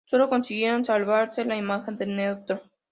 Solo consiguieron salvarse la imagen de Ntro.